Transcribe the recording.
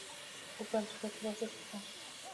اووه پنځوس اتۀ پنځوس نهه پنځوس